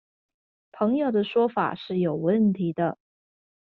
朋友的說法是有問題的